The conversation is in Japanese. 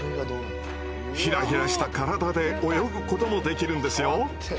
ヒラヒラした体で泳ぐこともできるんですよ。